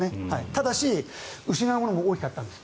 ただし、失うものも大きかったんです。